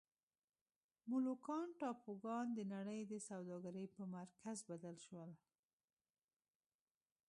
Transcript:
مولوکان ټاپوګان د نړۍ د سوداګرۍ پر مرکز بدل شول.